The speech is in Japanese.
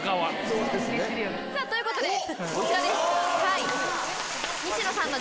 そうですね。ということでこちらです。